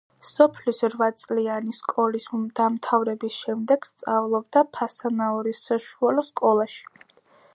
სოფლის რვაწლიანი სკოლის დამთავრების შემდეგ სწავლობდა ფასანაურის საშუალო სკოლაში.